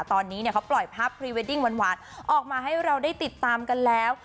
ตอนนี้เขาปล่อยภาพพรีเวดดิ้งหวานออกมาให้เราได้ติดตามกันแล้ว